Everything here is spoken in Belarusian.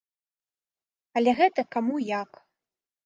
Але гэта каму як.